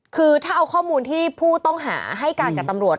คือถ้าเอาข้อมูลที่ผู้ต้องหาให้การกับตำรวจ